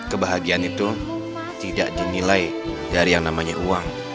kebahagiaan itu tidak dinilai dari yang namanya uang